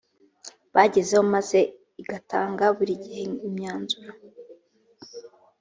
bagezeho maze igatanga buri gihe imyanzuro